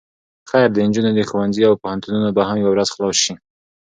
خير د نجونو ښوونځي او پوهنتونونه به هم يوه ورځ خلاص شي.